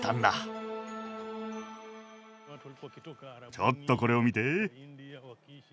ちょっとこれを見て。